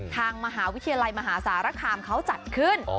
ทางมหาวิทยาลัยมหาสารคามเขาจัดขึ้น